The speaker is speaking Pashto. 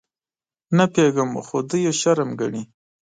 _نه پوهېږم، خو دوی يې شرم ګڼي.